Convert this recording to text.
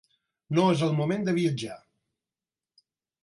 No és el moment de viatjar.